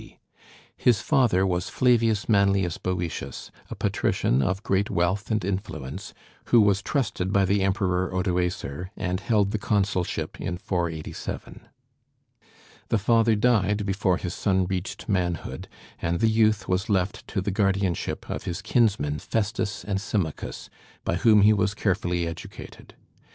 D. His father was Flavius Manlius Boëtius, a patrician of great wealth and influence, who was trusted by the Emperor Odoacer and held the consulship in 487. The father died before his son reached manhood; and the youth was left to the guardianship of his kinsmen Festus and Symmachus, by whom he was carefully educated.